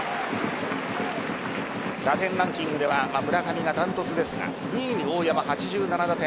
打点ランキングでは村上がダントツですが２位に大山８７打点。